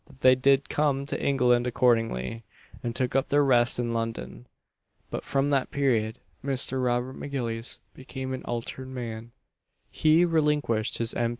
That they did come to England accordingly, and took up their rest in London; but from that period Mr. Robert M'Gillies became an altered man; he relinquished his M.